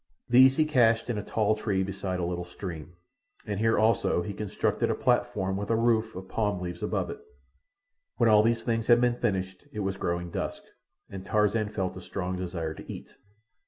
These he cached in a tall tree beside a little stream, and here also he constructed a platform with a roof of palm leaves above it. When all these things had been finished it was growing dusk, and Tarzan felt a strong desire to eat.